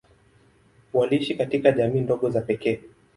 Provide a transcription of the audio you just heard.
Waliishi katika jamii ndogo za pekee.